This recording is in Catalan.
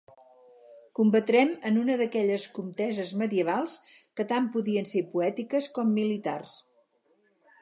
Combatrem en una d'aquelles conteses medievals que tant podien ser poètiques com militars.